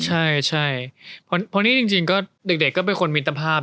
ใช่พอร์นี่เด็กก็เป็นคนมิตรภาพ